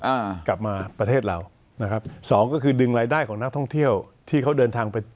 อ่ากลับมาประเทศเรานะครับสองก็คือดึงรายได้ของนักท่องเที่ยวที่เขาเดินทางไป